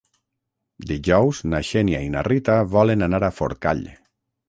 Dijous na Xènia i na Rita volen anar a Forcall.